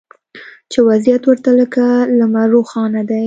چې وضعیت ورته لکه لمر روښانه دی